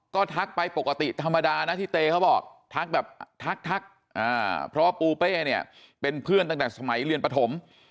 ก็ทักไปปกติธรรมดานะที่เต้เขาบอกทักแบบทักเพราะว่าปูเป้เนี่ยเป็นเพื่อนตั้งแต่สมัยเรียนปฐม